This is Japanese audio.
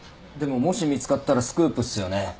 でももし見つかったらスクープっすよね？